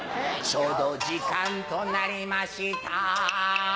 ちょうど時間となりました